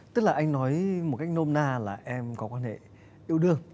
tức là anh nói một cách nôm na là em có quan hệ yêu đương